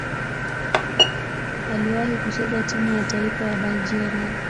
Aliwahi kucheza timu ya taifa ya Bulgaria.